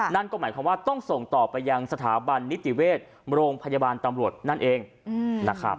นั่นก็หมายความว่าต้องส่งต่อไปยังสถาบันนิติเวชโรงพยาบาลตำรวจนั่นเองนะครับ